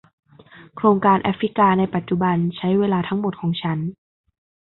โครงการแอฟริกาในปัจจุบันใช้เวลาทั้งหมดของฉัน